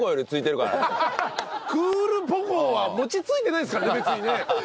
クールポコ。は餅ついてないですからね別にね。